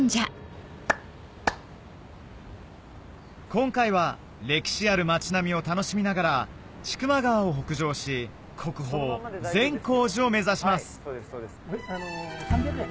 今回は歴史ある町並みを楽しみながら千曲川を北上し国宝善光寺を目指します３００円。